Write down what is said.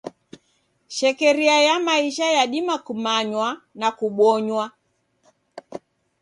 Shekeria ya maisha yadima kumanywa na kubonywa.